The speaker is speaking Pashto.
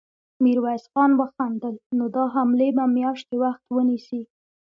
ميرويس خان وخندل: نو دا حملې به مياشتې وخت ونيسي.